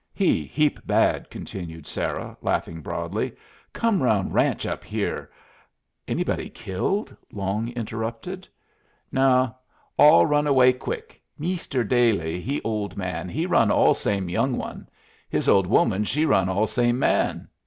"He heap bad," continued Sarah, laughing broadly. "Come round ranch up here " "Anybody killed?" Long interrupted. "No. All run away quick. Meester Dailey, he old man, he run all same young one. His old woman she run all same man.